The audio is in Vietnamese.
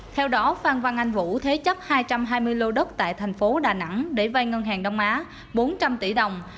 theo đó phan văn anh vũ thế chấp hai trăm hai mươi lô đất tại thành phố đà nẵng để vay ngân hàng đông á bốn trăm linh tỷ đồng